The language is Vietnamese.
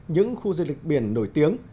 những khu du lịch biển nổi tiếng